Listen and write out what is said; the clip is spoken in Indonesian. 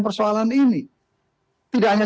persoalan ini tidak hanya